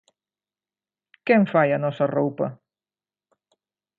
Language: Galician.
Quen fai a nosa roupa?